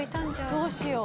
どうしよう。